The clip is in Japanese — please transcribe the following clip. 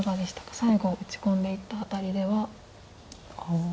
最後打ち込んでいった辺りでは。